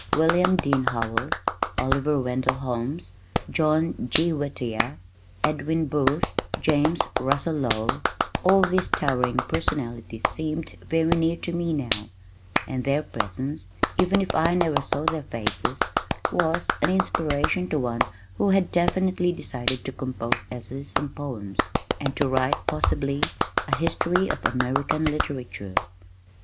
William Dean Howells, Oliver Wendell Holmes, John G. Whittier, Edwin Booth, James Russell Lowell, all these towering personalities seemed very near to me now, and their presence, even if I never saw their faces, was an inspiration to one who had definitely decided to compose essays and poems, and to write possibly a history of American Literature.